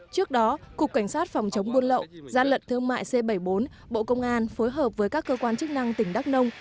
trước đó cục cảnh sát phòng chống buôn lậu gian lận thương mại c bảy mươi bốn bộ công an phối hợp với các cơ quan chức năng tỉnh đắk nông